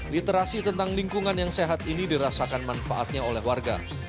literasi tentang lingkungan yang sehat ini dirasakan manfaatnya oleh warga